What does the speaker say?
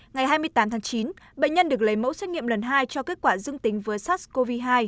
ngày hai mươi tám tháng chín bệnh nhân được lấy mẫu xét nghiệm lần hai cho kết quả dương tính với sars cov hai